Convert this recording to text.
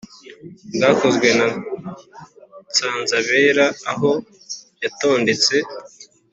bwakozwe na Nsanzabera aho yatondetse